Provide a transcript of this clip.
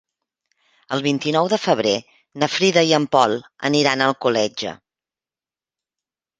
El vint-i-nou de febrer na Frida i en Pol aniran a Alcoletge.